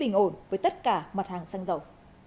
không chi sử dụng quỹ bình ổn với tất cả mặt hàng xăng dầu